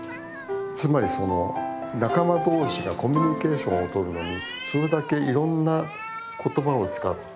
つまりその仲間同士がコミュニケーションをとるのにそれだけいろんな言葉を使って会話を交わすわけです。